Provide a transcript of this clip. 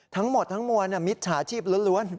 ทั้งหมดทั้งมวลมิจฉาชีพล้วน